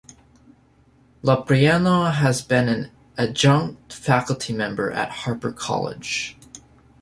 Loprieno has been an adjunct faculty member at Harper College.